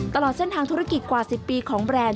ตลอดเส้นทางธุรกิจกว่า๑๐ปีของแบรนด์